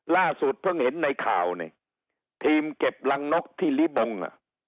ล่าสุดเพิ่งเห็นในข่าวเนี่ยทีมเก็บรังนกที่ลิบงอ่ะ